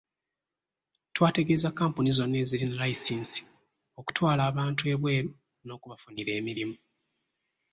Twategeeza kkampuni zonna ezirina layisinsi okutwala abantu ebweru n'okubafunira emirimu.